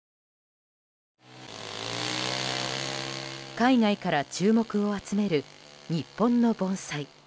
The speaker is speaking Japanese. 海外から注目を集める日本の盆栽。